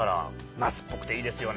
夏っぽくていいですよね。